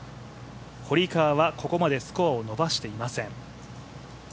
堀川はここまでスコアを伸ばしていません。